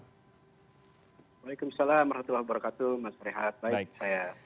waalaikumsalam warahmatullahi wabarakatuh mas rehat baik saya